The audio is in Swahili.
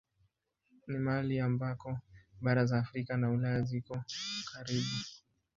Ni mahali ambako bara za Afrika na Ulaya ziko karibu.